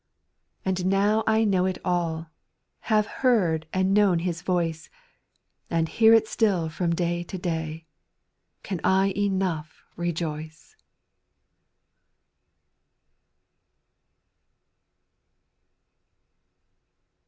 7. And now I know it all, Have heard and known His voice, And hear it still from day to day ;— Can I enough rejoice